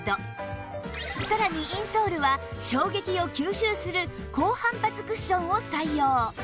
さらにインソールは衝撃を吸収する高反発クッションを採用